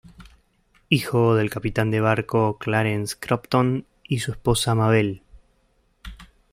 Hijo del capitán de barco Clarence Crompton y su esposa Mabel.